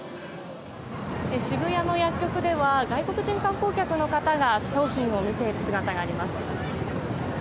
渋谷の薬局では外国人観光客の方が商品を見ている姿があります。